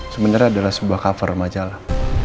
sebenarnya adalah sebuah cover majalah